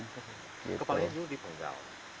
kepalanya itu dipenggal